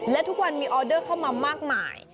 และทุกวันมีออเดอร์เข้ามามากมาย